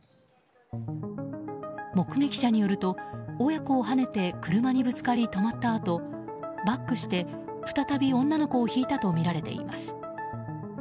目撃者によると親子をはねて車にぶつかり止まったあとバックして、再び女の子をひいたとみられています。